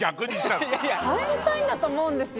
バレンタインだと思うんですよ。